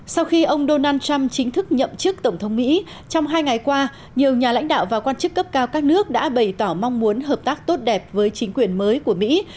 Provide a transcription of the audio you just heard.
sau khi ông donald trump chính thức nhậm chức tổng thống mỹ trong hai ngày qua nhiều nhà lãnh đạo và quan chức cấp cao các nước đã bày tỏ mong muốn hợp tác tốt đẹp với chính quyền mới của mỹ